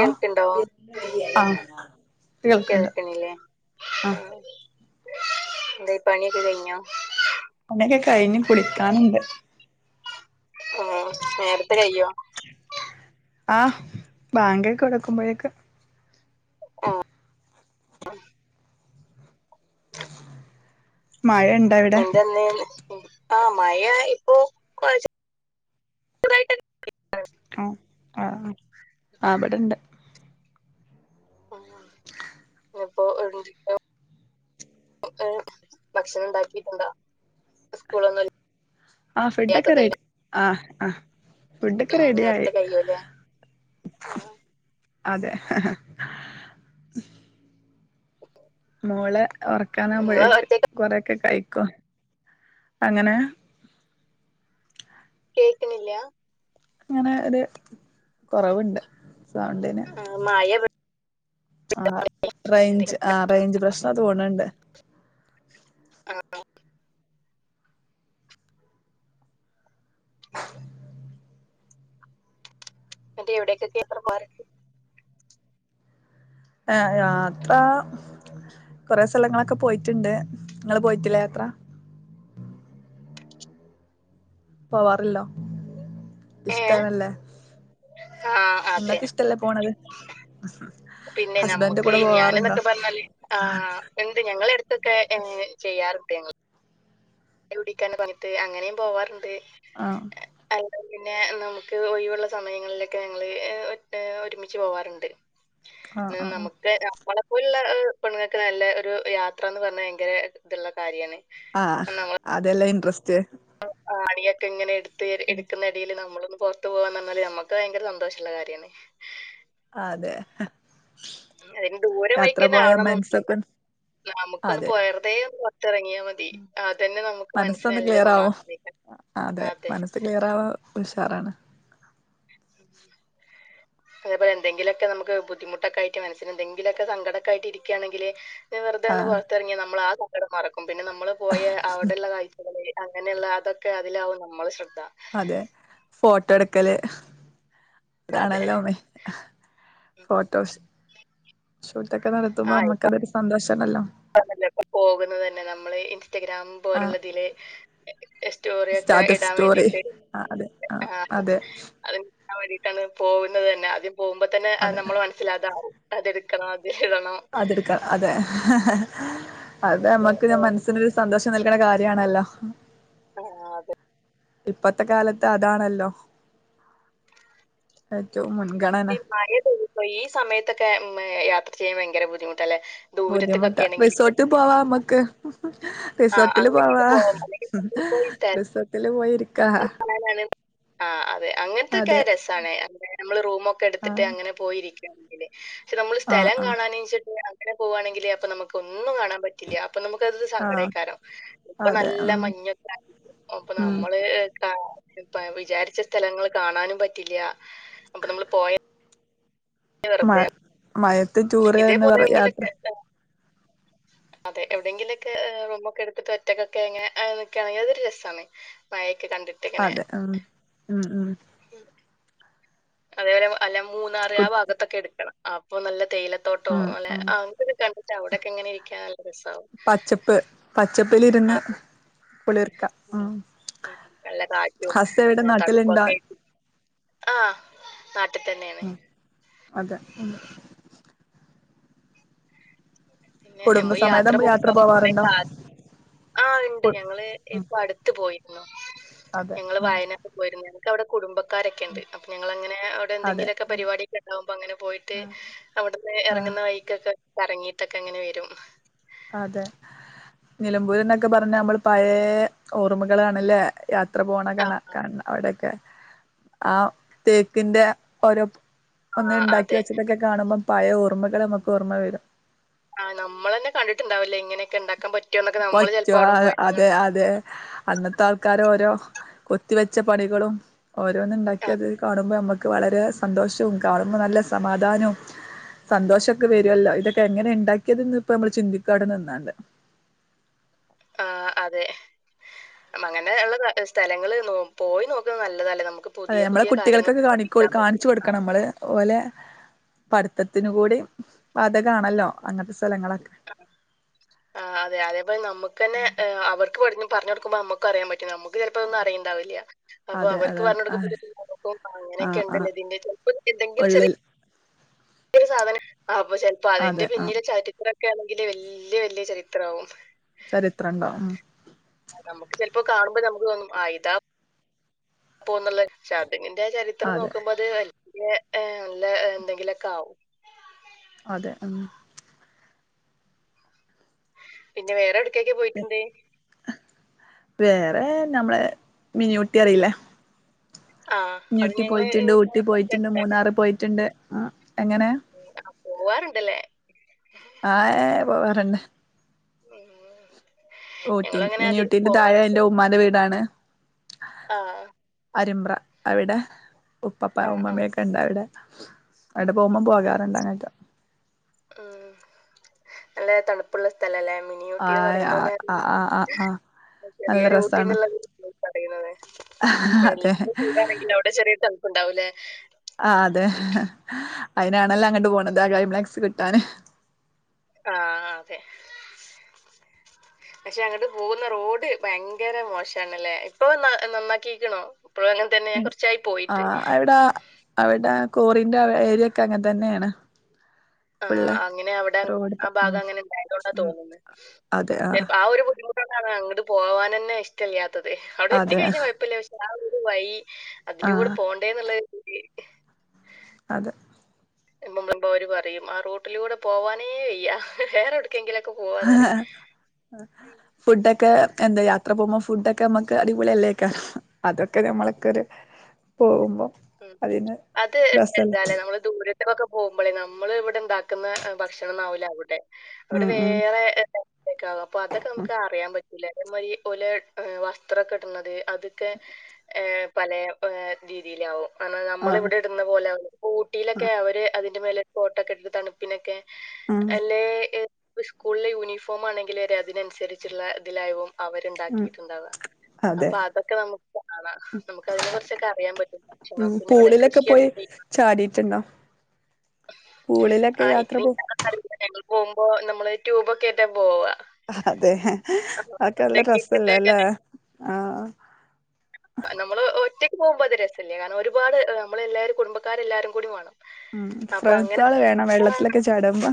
ആ ആഹ് കേൾക്കണ്ട് കേൾക്കണില്ലേ ആഹ് എന്തേ പണിയൊക്കെ കഴിഞ്ഞോ പണിയൊക്കെ കഴിഞ്ഞ് കുളിക്കാനുണ്ട് ആഹ് നേരത്തെ കയ്യോ ആഹ് ബാങ്ക് കൊടക്കുമ്പഴേക്കെ ആഹ് മഴേ എന്തെന്ന് ഉം ആഹ് മഴ ഇപ്പോ കൊറച്ച് [unintelligible] ഉം ആഹ് ആഹ് അവിടെണ്ട് [unintelligible] [inaudible] എപ്പോ [unintelligible] ഏഹ് ഭക്ഷണം ഉണ്ടാക്കിട്ടുണ്ട സ്കൂളൊന്നും ഇ ആഹ് ഫുഡൊക്കെ റെഡി ആഹ് ആഹ് ഫുഡൊക്കെ ഉം റെഡി ആയി നേരത്തെ കയ്യൂല്ലേ ഉം അതെഹ ഹ [inaudible] മോളെ നിങ്ങള് ഒറക്കാനാകുമ്പോഴേക്ക് ഒറ്റക്ക് കൊറെക്കെ കഴിക്കും അങ്ങനെ കേക്ക്നില്ല അങ്ങനെ ഒരു കൊറവുണ്ട് സൗണ്ടിന് മഴേ പെഴു ആഹ് റേഞ്ച് എന്തെങ്കിലും ആഹ് പ്രശ്നം റേഞ്ച് പ്രശ്ന തോന്ന്ന്ണ്ട് ആ ഇന്ന്ട്ട് ഇവിടടെക്കെ ടീച്ചർ മാര് ആഹ് യാത്രാ കൊറെേ സ്ഥലങ്ങളൊക്കെ പോയിട്ടുണ്ട് ഇങ്ങള് പോയിട്ടില്ലേ യാത്ര പോവാറില്ലോ ഏ ഇഷ്ട്ടാനല്ലേ ആ അതെ നിങ്ങക്ക് ഇഷ്ടല്ലേ പോണത് ഹസ്ബ പിന്നെ നമുക്ക് ഹസ്ബൻ്റുകൂടെ പോവാറുണ്ടോ ഇണ്ട് ഞങ്ങള എടുത്തൊക്കെഏഹ് ചെയ്യാറുണ്ട് ഞങ്ങൾ [unintelligible] പർഞ്ഞിട്ട് അങ്ങനീം പോവാറ്ണ്ട് ആഹ് അല്ലങ്കി പിന്നെ നമുക്ക് ഒയ്വ്ള്ള സമയങ്ങളിലൊക്കെ ഞങ്ങള് ഏഹ് ഒരുമിച്ച് പോവാറുണ്ട് ആഹ് പി ആഹ് ആഹ് നമുക്ക് നമ്മളെപ്പോള്ള പെണ്ങ്ങക്ക് നല്ല ഒരു യാത്രാന്ന് പർഞ്ഞാ ഭയങ്കര ത്ള്ള കാര്യാണ്. ആഹ് അതല്ല ഇട്രെസ്റ്റ് ആണിയൊക്കെ ഇങ്ങനെ എട്ത്ത് എട്ക്ക്ന്നെടീല് നമ്മളൊന്ന് പൊർ പോർത്ത് പോകാ ന്നർഞ്ഞാല് നമക്ക് ഭയങ്കര സന്തോഷള്ള കാര്യാണ്. അതെ ഹ് മ് അതിന് ദൂരം വൈക്കന്നെ പോയ ആവണന്നൊന്നൂല്ല. മനസ്സൊക്കെ നമുക്കൊന്ന് അതെ പോയ [unintelligible] വെർതേ ഒന്ന്‌ പൊർത്തെർങ്യാ മതി അതെന്നെ നമു മനസ്സൊന്ന് ക്ലിയറാവും. അതെ മനസ്സ് ക്ലിയറാവാം ഉഷാറാണ്. അതേ പോലെ എന്തെങ്കിലൊക്കെ നമ്മക്ക് ബുദ്ധിമുട്ടൊക്കായ്റ്റ് മനസ്സിന് എന്തെങ്കിലൊക്കെ സങ്കടൊക്കായ്റ്റ് ഇരിക്കാണെങ്കില് വെർതെന്ന് ആഹ് പൊർത്തെർങ്ങി നമ്മള് ആ സങ്കടം മറക്കും പിന്നെ നമ്മള് പോയ അവടെള്ള കാഴ്ചകള് അങ്ങനെള്ള അതൊക്കെ അതിലാവും നമ്മളെ ശ്രദ്ധ അതെ ഫോട്ടോ ട്ക്കല് അതെ. അതാണല്ലോ വലി ഉം. ഫോട്ടോസ് [unintelligible] നടത്തുമ്പോ നമ്മക്കതൊരു സന്തോഷാണല്ലോ പ്പ തല്ലേ പോകുന്ന തന്നെ നമ്മള് ഇൻസ്റ്റഗ്രാം ആ പോലള്ളതില് സ്റ്റോറ്യോക്കെ സ്റ്റാറ്റസ് ഇടാൻ സ്റ്റോറി വേണ്ടിട്ട് ആ അതെ ആ ആഹ് അതെ അത് ഇട്ക്കാം വേണ്ടീട്ടാണ് പോകുന്ന തന്നെ ആദ്യം പോകുമ്പോ തന്നെ അതെ നമ്മള് മ മനസ്സിലതാകും അത് എട്ക്കണം അത് എഴുതണം അത് ട്ക്കാം അതെ അത എന്നിട്ട് മ്മക്ക് ഞ മനസ്സിനൊര് സന്തോഷം നൽകണ കാര്യാണല്ലോ ആഹ് അതെ ഇപ്പത്തെ കാലത്ത് അതാണല്ലോ ഏറ്റവും മുൻഗണന മഴ തപ്പോ ഈ സമയത്തൊക്കെ യാത്ര ചെയ്യാൻ ഭയങ്കര ബുദ്ധിമുട്ടല്ലേ ബുദ്ധിമുട്ടാ ദൂരത്തേക്കൊക്കെ ആണെങ്കിൽ റിസോർട്ട് പോവാ ആ മ്മക്ക് ആ, റിസോർട്ടില് അങ്ങനെയൊക്കെ പോവാ പോവാം. അല്ലെങ്കിൽ റിസോർട്ടില് പോയിര്ക്ക [unintelligible] ആഹ് അതെ അങ്ങൻ ത്തൊക്കായ അതെ രസാണ്. അവടെ നമ്മള് റൂമൊക്കെ എട്ത്ത് ആ ട്ട് അങ്ങനെ പോയിരിക്കാണെങ്കില് പക്ഷെ നമ്മൾ ആ സ്ഥലം ആ കാണാന്ച്ച്ട്ട് [unintelligible] അങ്ങനെ പോവാണെങ്കില് അപ്പ നമ്മക്ക് ഒന്നും കാണാൻ പറ്റില്ല്യാ അപ്പ നമ്മക്കത് ആ സങ്കടെയ്ക്കാരം ഇപ്പ അതെ നല്ല ഉം മഞ്ഞക്കായിരിക്കും അപ്പ ഉം നമ്മള് വിചാരിച്ച സ്ഥലങ്ങള് കാണാനും പറ്റില്ല അപ്പ നമ്മള് പോയ മഴ് മയത്ത് ടൂറ് എന്ന് ഇതേപോലെ പറ യാത്ര എവിടെങ്കിലൊക്കെ അതെ എവിടേങ്കിലൊക്കെ റൂമൊക്കെ ട്ത്ത്ട്ട് ഒറ്റക്കൊക്കെ ഇങ്ങനെ ന്ക്കാണെങ്കി അതൊര് രസാണ്. മയെക്കെ കണ്ട് അതെ ഉം ഉം ഉം അതേപോലെ അല്ല മൂന്നാറ് കു ആ ഭാഗത്തൊക്കെ എട്ക്കണം അപ്പൊ നല്ല തേയില തോട്ട ആഹ് ആഹ് പച്ചപ്പിലി രിന്ന് നല്ല കാറ്റും ഹസ്സ ഇവിടെ നാട്ടിലുണ്ടോ തണുപ്പൊക്കൈറ്റ് ആഹ് നാട്ടിതന്നെ ണ് ഉം അതെ ഉം പിന്നെ യമ്മള് യാത്ര കുടുംബസമേതം പോകുമ്പോ പോവാറുണ്ടോ [unintelligible] ആഹ് ണ്ട് കു ഞങ്ങള് ഉം ഇപ്പ അട്ത്ത് പോയിര്ന്നു. അതെ ആഹ് വയനാട് പോയിര്ന്നത് എനിക്ക വടെ കുട്ബക്കാരൊക്കെ ണ്ട് അപ്പ ഞങ്ങളങ്ങനെ അവടെ അതെ ന്തെങ്കിലൊക്കെ പരിപാടിണ്ടാവുമ്പോ അങ്ങനെ പോയിട്ട് ആഹ് അവിട്ന്ന് ആഹ് എറങ്ങുന്ന വൈക്കൊക്കെ കറങ്ങീട്ടൊക്കെ അങ്ങനെ വരും അതെ നിലമ്പൂര് എന്നൊക്കെ പറഞ്ഞാ ഞമ്മൾ പയേ ഓർമ്മകളാണല്ലേ യാത്ര പോണ കണ ആഹ് ആഹ് കാണ്ണ അവിടെക്കെ ആഹ് തേക്കിന്റെ ഓരോ ഒന്ന് ആഹ് ഇണ്ടാക്കി അതെ വെച്ചിട്ട തൊക്കെ കാണുമ്പം പയ ഓർമ്മകള് നമുക്ക് ഓർമ്മവരും ആഹ് നമ്മളെന്നെ കണ്ടിട്ടുണ്ടാവില്ല ഇങ്ങനെക്കെ ഇണ്ടാക്കാൻ പറ്റു പറ്റുവ അതെ അതെ അന്നത്തെ ആൾക്കാരോരൊ കൊത്തി വെച്ച പണികളും ഓരോന്നിണ്ടാക്കി ആഹ് അത് കാണുമ്പ ഞമ്മ ക്ക് വളരെ സന്തോഷോം കാണുമ്പ നല്ല സമാധാനൊം സന്തോഷൊക്കെ വരുവല്ലോ ഇതൊക്കെ എങ്ങനെ ഇണ്ടാക്കിയിതെന്ന് ഇപ്പൊമ്മള് ചിന്തിക്കാടെ നിന്നാണ്ട് ആഹ്അതെ അങ്ങനെ ഇള്ള നല്ലസ്ഥലങ്ങള് നൊ പോയി നോക്കുന്നത് നല്ലതാല്ലേ നമ്ക്ക് അതെ നമ്മളെ കുട്ടികൾക്കൊക്കെ കാണിക്കു കാണിച്ച് കൊടുക്കണമ്മള് ഓലെ പഠിത്തത്തിനു കൂടി വാതകാണല്ലോ അങ്ങ്നത്തെ സ്ഥലങ്ങളൊക്കെ ആഹ് അതെ അതേപോലെ നമ്മക്കന്നെ അവർക്ക് പഠഞ് പറഞ്ഞൊടുക്കുമ്പൊ അമുക്കു അറിയാ പ നമുക്ക് ചിലപ്പൊ ഇതൊന്നും അറിയിണ്ടാവില്ല അപ്പൊ അതെ അവർക്ക് അതെ ആ പറഞ്ഞുടുക്കമ്പ ഇതൊക്കെനമുക്കു ആ അങ്ങനെയൊക്കെ ആ ഇണ്ടല്ലെ ഇതിന്റെ ചെൽപ്പൊ എന്തെിലും ചെറിയ ഉള്ളിൽ സാധനം അപ്പൊ ചെല്പ്പൊ അതിന്റെ അതെ ആ പിന്നിലെ ചരിത്രൊക്കെ ആണെങ്കില് വല്യ വല്യ ചരിത്രാവും ചരിത്രിണ്ടാവും നമുക്ക് ചെലപ്പോ കാണുമ്പോ നമുക്കോന്നും ആഹ് ഇതാ പ്പോന്നുള്ള ച അതുങ്ങിന്റെ ചരിത്രം അതെ നോക്കുമ്പത് വലിയ നല്ല എന്തെങ്കിലൊക്കെ ആവും അതെ ഉം പിന്നെ വേറെ എവ്ടെക്കെക്കെ പോയിട്ടിണ്ട് വേറെ ഞമ്മളെ മിനൂട്ടി അറിയി ല്ലെ ആഹ് അത് ഞ്ഞൂട്ടി ഞങ്ങള് പോയിറ്റിണ്ട് ഊട്ടി പോയിറ്റിണ്ട് മൂന്നാറ് പോയിറ്റ്ണ്ട് അ എങ്ങനെ ആഹ് പോവാറുണ്ടല്ലേ ആഹ് പോവാറ്ണ്ട് ഉം ഊട്ടി ഞങ്ങളങ്ങനെ അധികം മിനിയൂട്ടീന്റെ താഴെ പോവാറുണ്ട്. എന്റെ ഉമ്മാന്റെ വീടാണ് ആഹ് അരിമ്പ്ര അവിടെ ഉപ്പാപ്പ ആഹ് ആഹ് ഉമ്മാമ്മക്കെ ഇണ്ടവിടെ അവിടെ പോമ്പം പോകാറുണ്ട് അങ്ങട്ടോ ഉം നല്ല തണുപ്പുള്ള സ്ഥലല്ലേ മി മിനി ആ ഊട്ടിന്ന് ആ പറയുനന്നെ ആ ആ ആ ആ നല്ല ചെറിയൊരു രസാണ് ഊട്ടിന്നുള്ളത് പറയുന്നത് അതെ ബെളിൽക്ക് ചൂടാണെങ്കിലു അവിടെ ചെറിയ തണുപ്പുണ്ടാവൂലേ ആഹ് അതെ അയിനാണല്ലൊ അങ്ങട്ട് പോണത് ആ കൈമ്ലാക്സ് കിട്ടാന് ആഹ് അതെ [inaudible] പക്ഷെ അങ്ങട്ട് പോവുന്ന റോഡ് ഭയങ്കര മോശാണല്ലേ ഇപ്പൊ ന നന്നാക്കീക്കണോ ഇപ്പഴു ആഹ് അവിട അവടെ കോറിന്റെ ഏരിയൊക്കെ അങ്ങൻതന്നേണ് ആഹ് അങ്ങനെ അവിടെ റോഡ് ആഭാഗ ഉം അങ്ങനെ ഇണ്ടായതോണ്ടാ ഉം തോന്ന്ന്ന് ചെൽപ്പൊ ആ ഒരു ബുദ്ധിമു ണ്ടാണ് അങ്ങട് പോവാനന്നെ ഇഷ്ടില്ലാത്തത് അവിടെ അതെ എത്തിക്കഴിഞ്ഞ കൊയ്പ്പില്ല ക്ഷെ ആ ഒരു വൈ ആ അതിലൂടെ പോണ്ടേന്നുള്ളെ ഒരീതില് അതെ [unintelligible] അവര് പറയും ആ റൂട്ടിലൂടെ പോവാനേ വയ്യ വേറെട് കെങ്കിലൊക്കെ പോവാ ആഹ് ഹേ ഫുഡൊക്കെ എന്താ യാത്ര പോമ്പൊ ഫുഡൊക്കെ ഞമ്മക്ക് അടിപൊളിയല്ലേക്ക അതൊക്കെ ക്കെ ഞമ്മളൊക്കൊരു പോകുമ്പം ഉം അത് എന്താലേ നമ്മള് ദൂരത്തൊക്കെ പോകുമ്പോളേ നമ്മൾ ഇവിടെ ഇണ്ടാക്കുന്ന ഭക്ഷണംന്ന ആാവൂല അവിടെ അവിടെ ഉം ഉം വേറെക്ക ആകും അപ്പൊ അതൊക്കെ നമുക്ക് അറിയാൻ പറ്റും ഇ ഓല വസ്ത്രം കെ ഇട്ടുന്നത് അതൊക്കെ ഏ പലെ രീതിയിലകും ആ നമ്മള ഇവിടെ ഇടുന്ന പോലെ ഊട്ടിയിലൊക്കെ അവര് അതിന്റെ മേല കൊട്ടോക്കെ ഇട്ട് തണുപ്പിനൊക്കെ ഉം അല്ലെ സ്കൂളിലെ യൂണിഫോം ആണെങ്കിൽ വരെ അതിനനുസരിച്ചുള്ള ഇതിലായും ഉം അവരുണ്ടാക്കിട്ടുണ്ടവാുക അതെ അപ്പൊ അതൊക്കെ നമുക്ക് കാണാം നമുക്ക് അതിനെ കുറിച്ചൊക്കെ അറിയാൻ പറ്റ ഉം പൂളിലൊക്കെ പോയി ചാടിയിട്ടുണ്ടോ പൂളിലൊക്കെ യാത്ര പോ റില്ല ഞങ്ങൾ പോകുമ്പോ നമ്മള് ട്യൂബൊക്കെ ട്ടാ പോവാ അതെ അപ്പൊ ആക്കല്ല അതൊക്കെ രസല്ല ഇട്ടിട്ട് അല്ല അങ്ങനെ ആഹ് നമ്മള് ഒറ്റക്ക് പോകുമ്പോ അത് രസമല്ലേ കാരണം ഒരുപാട് നമ്മള എല്ലാരും കുടുംബക്കാരെല്ലാരും കൂടി വേണം ഉം അപ്പൊ അങ്ങനെ ഫ്രണ്ട്സുകള് വേണം വെള്ളത്തിലൊക്കെ ചാടുമ്പോ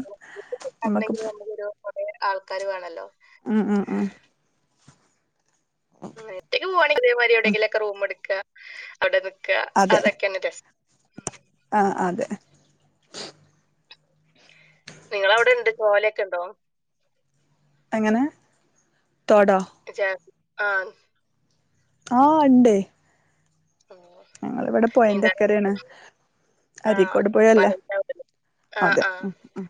നമ്മുക്ക് കുറേ ആൾക്കാര് വേണല്ലോ ഉം ഉം ഉം റ്റേക്ക് പോവാണങ്ക അതേമാതിരി എവിടെെങ്കിലൊക്കെ റൂം എടുക്കുക അവിടെ നിക്ക അതെ അതൊക്കെന്നെ രസ് ഉം ആഹ് അതെ നിങ്ങള അവിടെ ഉണ്ട് കോലൊക്കെ ഉണ്ടോ എങ്ങനെ തൊടോ ജ ആഹ് ആ ഇണ്ടെ ആഹ് ഞങ്ങിവിടെ പോയന്റെക്കരയാണ് ആ അരക്കോട് പോയല്ലേ പറഞ്ഞ ആ അതെ ആ ഉം ആഹ്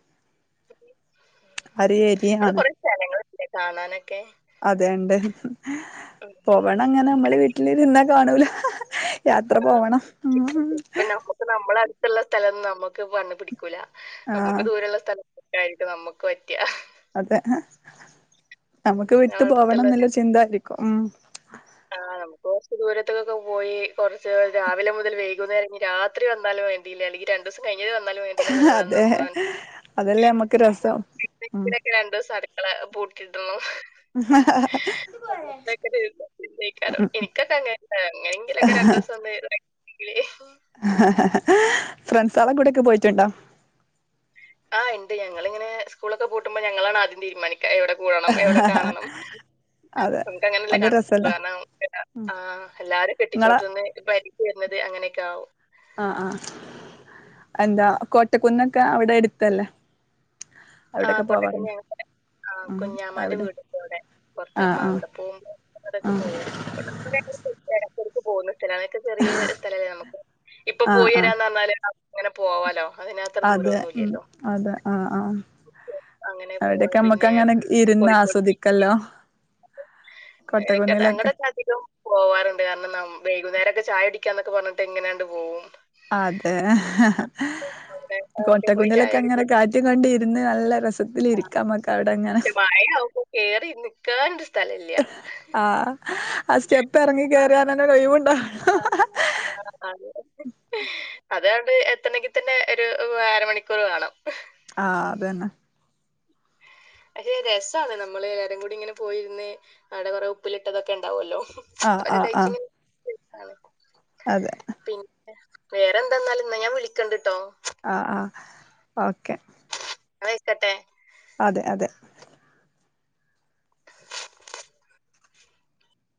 അര ഏരിയാണ് സ്ഥലങ്ങളല്ലെ കാണാനൊക്കെ അതെയണ്ട് ഉം. പോവണം അങ്ങനെ നമ്മള് വീട്ടില് ഇരുന്നാ കാണൂല യാത്ര ആ, പോവണം മ്മ് ഇപ്പൊ ഹ നമുക്ക് നമ്മള അടുത്തുള്ള സ്ഥലം നമ്മുക്ക് കണ്ണ് പിടിക്കൂല നമുക്ക് ആഹ് ദൂരമുള്ള സ്ഥലം ആായിരിക്കും നമുക്ക് പറ്റ് ഹ അതെ നമക്ക് ഉം വിട്ട് പോവണം അടുത്തുള്ള എന്നില്ല ചിന്തായിരിക്കും ഉം ആഹ് നമുക്ക് കുറച്ച് ദൂരത്തക്കൊക്കെ പോയി കുറച്ച് രാവിലെ മുതൽ വൈകുന്നേരം രാത്രി വന്നാലും [unintelligible] രണ്ടു ദിസം കഴിഞ് വന്നാലും വേ അതെ അതെല്ലേ നമ്മക്ക് രസം ഉം വെക്കിനൊക്കെ രണ്ടിസ അടുക്കള പൂട്ടിട്ടോ ആഹ് ാറോ എനിക്കൊക്കെ അങ്ങന അങ്ങനെങ്കിലൊക്കെ രണ്ടുസം ഒന്ന് ഫ്രണ്ട് സൊളെ കൂടെക്കെ പോയിട്ടുണ്ടോ ആ ഉണ്ട് ഞങ്ങളിങ്ങനെ സ്ൂളൊക്കെ പൂട്ടുമ്പോ ഞങ്ങളാണ് ആദ്യം തീരുമാനിക്കു ആഹ് നമുക്ക് അങ്ങനെയല്ലേ കണുള്ളൂ കാരണം ആ എല്ലാരും ഇങ്ങളെ കെട്ടിച്ചോട്ട നിന്ന് ഇ വരുന്നത് അങ്ങനെയൊക്കെ ആവും ആഹ് ആഹ് എന്താ കോട്ടക്കുന്നൊക്കെ അവിടെ എടുത്തല്ലേ അവിടെക്കെ ആഹ് പോവാറുണ്ടോ കൊട്ടക്കുന്ന ആ ഉം കുഞ്ഞാമാന്റെ അവിടെ വീട്ണ്ട് അവിടെ പുറത്ത് ആഹ് അപ്പ ആഹ് അവിടെ പോകുമ്പോവിടെൊക്കെ ആഹ് പോവുംവി എടക്കടക്ക് പോകുന്ന സ്ഥലമാണ്ൊക്കെ ചെറിയ സ്ഥലല്ലേ നമുക്ക് ഇപ്പൊ ആഹ് പോയി ആഹ് വരാന്ന് പറഞ്ഞാല് ഇങ്ങനെ പോവാലോ അതിനകത്ത് അതെ ഉം അതെ ആഹ്‌ ആഹ്‌ അങ്ങനെ പോവാ അവിടയൊക്കെ നമ്മുക്ക് പിന്നെ അങ്ങനെ ഇരുന്ന് ആസ്വദിക്കല്ലോ എക്ക് കോട്ടക്കുന്നിലൊക്കെ അങ്ങടെൊക്കെ അധികം പോവാനുണ്ട് കാരണം വൈകുന്നേരംഓക്കെ ചായ കുടിക്കാൻ പറഞ്ഞിട്ട് ങ്ങനെയാണ്ട് പോകും അതെ ആഹ് അവിടെ ഒക്കെ പോയി ചായ കോട്ടക്കുന്നിലൊക്കെ ഒക്കെ അങ്ങനെ കുടിക്കും കാ കുറ്റം കൊണ്ട ഇരുന്ന് നല്ല രസത്തിൽ ഇരിക്കാംമക്കെ അവിടെങ്ങനെ മയാകുമ്പോ കേറി ഇന്ന് കേണ്ട സ്ഥലല്ലേ ആഹ് ആ സ്റ്റെപ്പ് ഇറങ്ങി കയറാനന്നെ ഒഴിവുണ്ടാവുള്ളു ആഹ്‌ ആഹ്‌ അതെ അതങ്ങണ്ട് എത്തണെങ്കിൽ തന്നെ ഒരു അരമണിക്കൂർ വേണം ആഹ്‌ അതന്നെ പക്ഷെ രസാണ് നമ്മള് എല്ലാരുകൂടി ഇങ്ങനെ പോയിരുന്ന് അവിടെ കൊറെ ഉപ്പിലിട്ടതൊക്കെ ഉണ്ടാവുല്ലോ ആഹ് അവർ ആഹ് ആഹ് കഴിച്ചന് [unintelligible] അതെ പിന്നെ വേറെന്താന്നാല്എന്നാ ഞാൻ വിളിക്കണ്ടിട്ടോ ആഹ്‌ ആഹ്‌ ഓക്കെ ഞൻ വെക്കട്ടെ അതെ അതെ